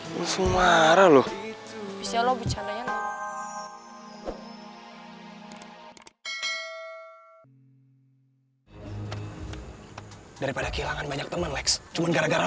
hai semara lu bisa lo bicaranya dari pada kehilangan banyak teman lex cuman gara gara